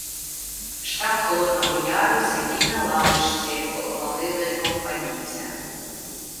Штаб Холодного Яру сидів на лавочці коло могили Компанійця.